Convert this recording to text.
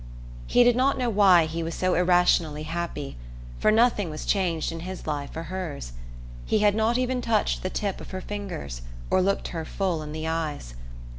He did not know why he was so irrationally happy, for nothing was changed in his life or hers. He had not even touched the tip of her fingers or looked her full in the eyes.